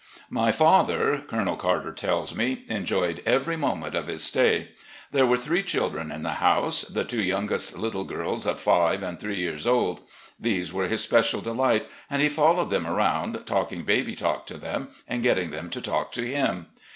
My father. A PRIVATE CITIZEN 167 Colonel Carter tells me, enjoyed every moment of his stay. There were three children in the house, the two yoimgest little girls of five and three years old. These were his special delight, and he followed them arotmd, talking baby talk to them and getting them to talk to him.